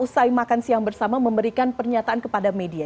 usai makan siang bersama memberikan pernyataan kepada media